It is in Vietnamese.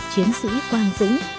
chiến sĩ quang dũng